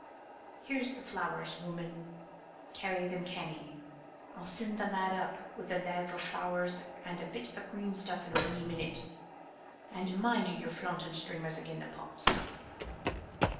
Here's the flowers, wumman; carry them canny. I'll send the lad up wi' the lave o' the flowers an' a bit green stuff in a wee meenit. And mind you your flaunting streamers agin the pots."